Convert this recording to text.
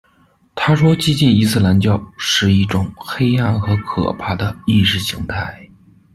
她说激进伊斯兰教「是一种黑暗和可怕的意识形态」。